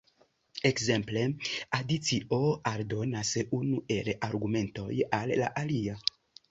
Ekzemple adicio aldonas unu el la argumentoj al la alia.